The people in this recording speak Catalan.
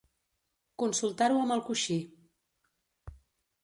Consultar-ho amb el coixí.